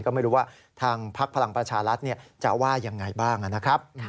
ก็ไม่รู้ว่าทางพักพลังประชารัฐจะว่ายังไงบ้างนะครับ